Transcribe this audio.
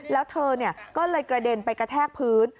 แล้วเธอก็เลยกระเด็นไปกระแทกพื้น